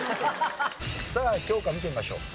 さあ教科見てみましょう。